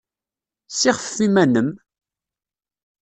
Ssixfef iman-nnem!